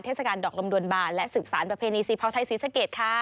เทศกาลดอกลมดวนบานและสืบสารประเพณีสีเผาไทยศรีสะเกดค่ะ